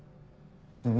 何？